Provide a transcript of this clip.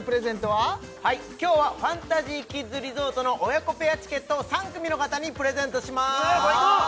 はい今日はファンタジーキッズリゾートの親子ペアチケットを３組の方にプレゼントします最高！